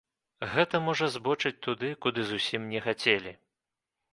Гэта можа збочыць туды, куды зусім не хацелі.